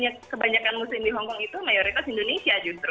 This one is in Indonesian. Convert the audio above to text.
kebanyakan muslim di hongkong itu mayoritas indonesia